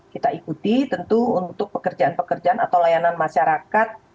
kita ikuti tentu untuk pekerjaan pekerjaan atau layanan masyarakat